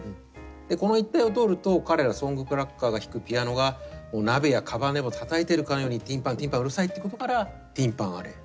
この一帯を通ると彼らソングプラガーが弾くピアノがもう鍋や釜でもたたいてるかのようにティンパンティンパンうるさいってことからティン・パン・アレー。